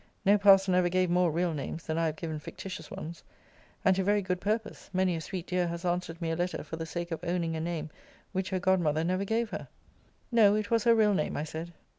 No parson ever gave more real names, than I have given fictitious ones. And to very good purpose: many a sweet dear has answered me a letter for the sake of owning a name which her godmother never gave her. No it was her real name, I said.